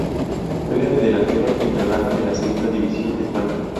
Juega de delantero en Granada de la Segunda División de España.